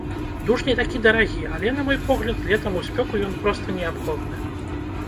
Душ не такі дарагі, але, на мой погляд, летам у спёку ён проста неабходны!